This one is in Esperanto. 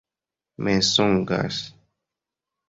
mensogas